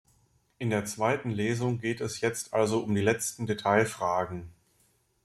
In der zweiten Lesung geht es jetzt also um die letzten Detailfragen.